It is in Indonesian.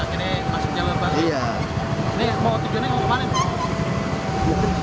terus akhirnya masuk jalur banget